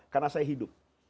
karena saya hidup